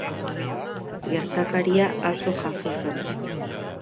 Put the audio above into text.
Gertakaria atzo jazo zen.